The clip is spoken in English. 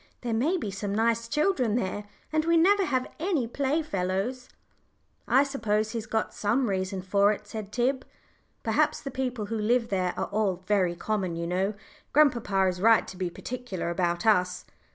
There may be some nice children there, and we never have any playfellows." "I suppose he's got some reason for it," said Tib. "Perhaps the people who live there are all very common. You know, grandpapa is right to be particular about us."